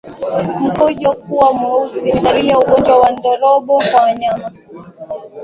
Mkojo kuwa mweusi ni dalili ya ugonjwa wa ndorobo kwa mnyama